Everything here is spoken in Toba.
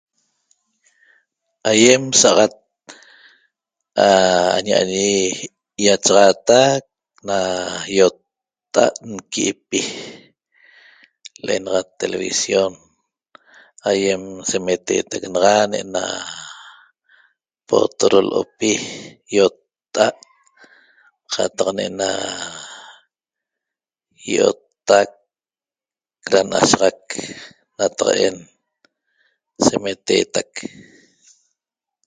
Aýem sa'axat aña'añi ýachaxaatac na ýotta'a't nqui'ipi l'enaxat televisión aýem semeteetac naxa ne'ena poyodo lo'opi ýotta'a't qataq ne'ena ýiottac ca n'ashaxac nataq'en semeteetac